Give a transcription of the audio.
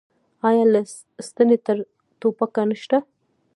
آیا له ستنې تر ټوپکه نشته؟